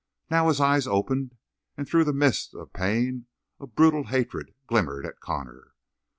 Now his eyes opened, and through the mist of pain a brutal hatred glimmered at Connor.